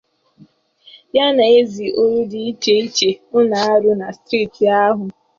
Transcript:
ya na ezi ọrụ dị iche iche ọ na-arụ na steeti ahụ